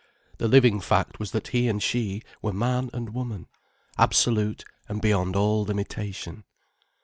The living fact was that he and she were man and woman, absolute and beyond all limitation.